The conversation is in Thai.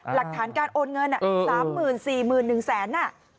หลักฐานการโอนเงินสามหมื่นสี่หมื่นหนึ่งแสน